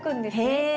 へえ。